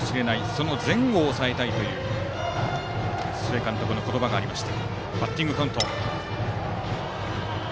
その前後を抑えたいという須江監督の言葉がありました。